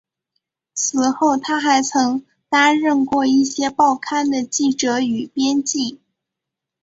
此后他还曾担任过一些报刊的记者与编辑。